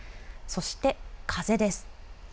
そして風です。